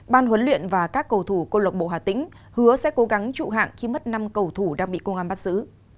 ban huấn luyện và các cầu thủ cô lộc bộ hà tĩnh hứa sẽ cố gắng trụ hạng khi mất năm cầu thủ đang bị công an bắt giữ